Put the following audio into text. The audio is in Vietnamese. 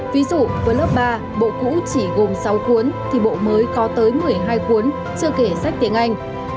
ví dụ với lớp ba bộ cũ chỉ gồm sáu cuốn thì bộ mới có tới một mươi hai cuốn chưa kể sách tiếng anh